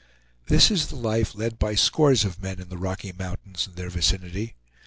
This is the life led by scores of men in the Rocky Mountains and their vicinity.